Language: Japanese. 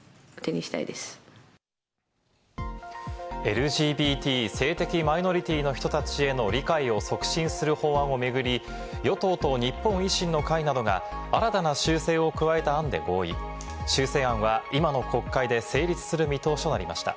ＬＧＢＴ・性的マイノリティーの人たちへの理解を促進する法案を巡り、与党と日本維新の会などが新たな修正を加えた案で合意、修正案は今の国会で成立する見通しとなりました。